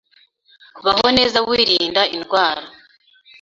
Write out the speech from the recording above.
Baho neza wirinda indwara